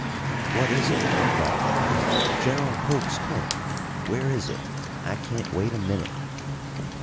"What is it?" he cried. "General Pope's tent! Where it is! I can't wait a minute."